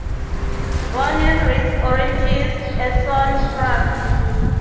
Born in Ris-Orangis, Essonne, France.